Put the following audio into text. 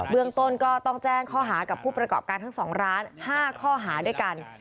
เมืองต้นก็ต้องแจ้งข้อหากับผู้ประกอบการทั้ง๒ร้าน๕ข้อหาด้วยกัน